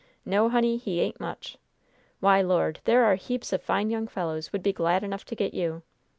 No, honey, he ain't much! Why, Lord, there are heaps of fine young fellows would be glad enough to get you!